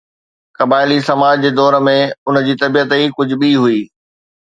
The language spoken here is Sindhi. قبائلي سماج جي دور ۾ ان جي طبيعت ئي ڪجهه ٻي هئي.